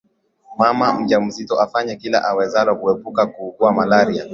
mama mjamzito afanye kila awezalo kuepuka kuugua malaria